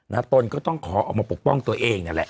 ตนก็ต้องขอออกมาปกป้องตัวเองนั่นแหละ